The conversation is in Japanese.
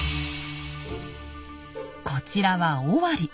こちらは尾張。